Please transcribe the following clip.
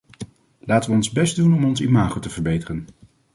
Laten we ons best doen om ons imago te verbeteren.